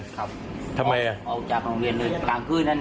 ครับทำไมอ่ะอ๋อจากโรงเรียนเลย